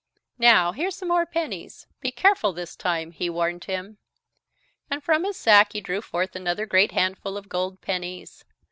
Now here's some more pennies. Be careful this time," he warned him. And from his sack he drew forth another great handful of gold pennies.